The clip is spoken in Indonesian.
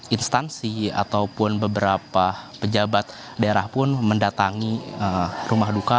instansi ataupun beberapa pejabat daerah pun mendatangi rumah duka